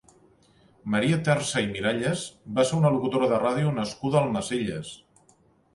Maria Tersa i Miralles va ser una locutora de ràdio nascuda a Almacelles.